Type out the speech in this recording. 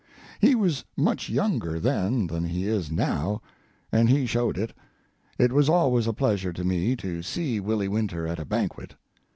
He was much younger then than he is now, and he showed 'it. It was always a pleasure to me to see Willie Winter at a banquet.